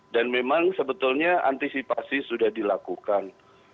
dan memang sebetulnya antisipasi sudah dilakukan